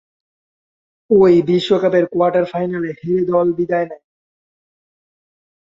ঐ বিশ্বকাপের কোয়ার্টার ফাইনালে হেরে দল বিদায় নেয়।